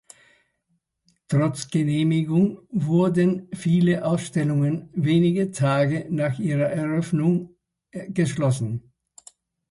Trotz Genehmigung wurden viele Ausstellungen wenige Tage nach ihrer Eröffnung geschlossen.